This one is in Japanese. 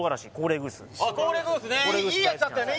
いいやつあったよね